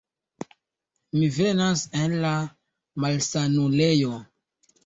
Mi venas el la malsanulejo.